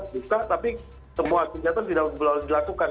buka tapi semua kegiatan tidak boleh dilakukan